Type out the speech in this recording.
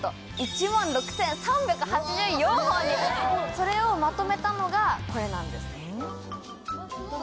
それをまとめたのがこれなんです。